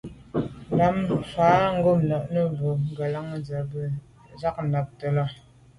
Rǎfàá’ ngômnâ’ nû fâ’ tɔ̌ ngə̀lâŋ fǎ zə̄ bū jâ nàptə́ lá.